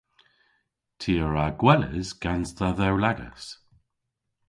Ty a wra gweles gans dha dhewlagas.